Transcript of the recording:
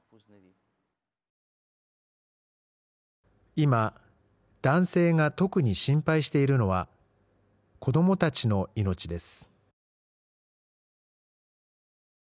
今、男性が特に心配しているのは子どもたちの命です。